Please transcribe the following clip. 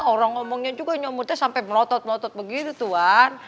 orang ngomongnya juga nyomud teh sampai melotot melotot begitu tuhan